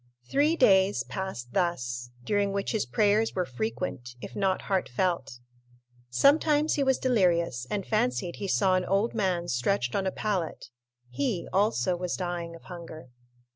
Three days passed thus, during which his prayers were frequent, if not heartfelt. Sometimes he was delirious, and fancied he saw an old man stretched on a pallet; he, also, was dying of hunger.